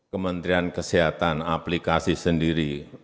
kementerian kesehatan aplikasi sendiri